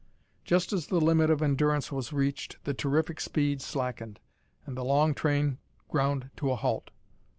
Just as the limit of endurance was reached the terrific speed slackened, and the long train ground to a halt.